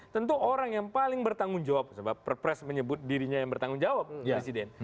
tentu orang yang paling bertanggung jawab sebab perpres menyebut dirinya yang bertanggung jawab presiden